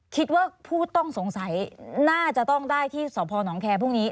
คิดว่าผู้ต้องสงสัยน่าจะต้องได้ที่สพนแคร์พรุ่งนี้